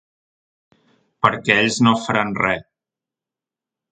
Perquè ells no faran res.